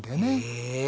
へえ。